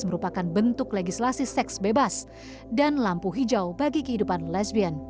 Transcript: merupakan bentuk legislasi seks bebas dan lampu hijau bagi kehidupan lesbian